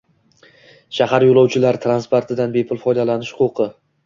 Shahar yo‘lovchilar transportidan bepul foydalanish huquqi